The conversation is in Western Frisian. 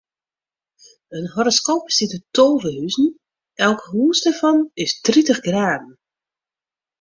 In horoskoop bestiet út tolve huzen, elk hûs dêrfan is tritich graden.